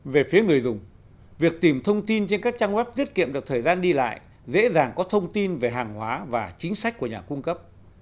về phía người dùng việc tìm thông tin trên các trang web tiết kiệm được thời gian đi lại dễ dàng có thông tin về hàng hóa và chính sách của nhà cung cấp